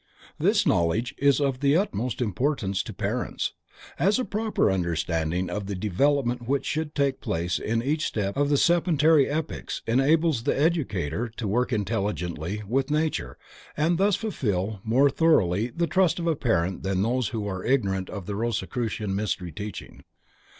This knowledge is of the utmost importance to parents, as a proper understanding of the development which should take place in each of the septenary epochs enables the educator to work intelligently with nature and thus fulfill more thoroughly the trust of a parent than those who are ignorant of the Rosicrucian Mystery Teaching.